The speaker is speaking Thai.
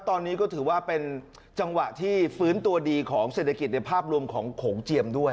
ตอนนี้ก็ถือว่าเป็นจังหวะที่ฟื้นตัวดีของเศรษฐกิจในภาพรวมของโขงเจียมด้วย